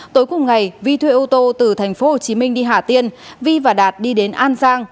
tối cùng ngày vi thuê ô tô từ thành phố hồ chí minh đi hả tiên vi và đạt đi đến an giang